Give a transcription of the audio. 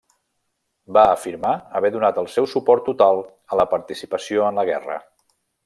Va afirmar haver donat el seu suport total a la participació en la guerra.